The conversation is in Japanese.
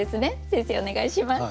先生お願いします。